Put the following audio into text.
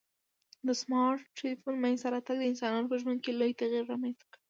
د سمارټ ټلیفون منځته راتګ د انسانانو په ژوند کي لوی تغیر رامنځته کړ